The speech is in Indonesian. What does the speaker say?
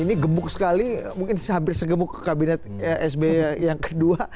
ini gemuk sekali mungkin hampir segemuk ke kabinet sby yang kedua